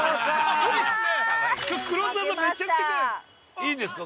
◆いいんですか？